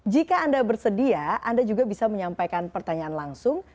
jika anda bersedia anda juga bisa menyampaikan pertanyaan langsung